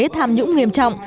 tham nhũng nghiêm trọng